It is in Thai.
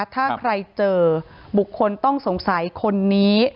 ถ้าใครเจอบุคคลต้องสงสัยคนนี้